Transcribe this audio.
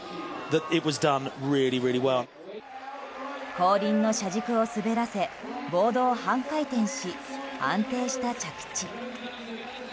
後輪の車軸を滑らせボードを半回転し安定した着地。